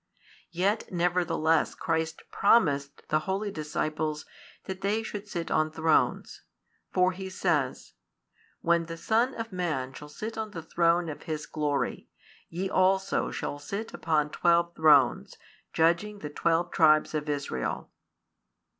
yet nevertheless Christ promised the holy disciples that they should sit on thrones. For He says: When the Son of Man shall sit on the throne of His glory, ye also shall sit upon twelve thrones, judging the twelve tribes of Israel.